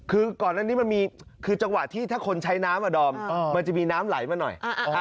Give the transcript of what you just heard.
คือก่อนอันนี้มันมีคือจังหวะที่ถ้าคนใช้น้ำอะดอมมันจะมีน้ำไหลมาหน่อย